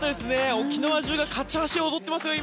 沖縄中がカチャーシーを踊ってますよ。